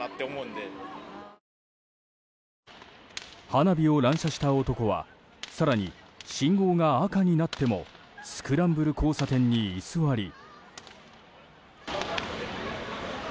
花火を乱射した男は更に、信号が赤になってもスクランブル交差点に居座り。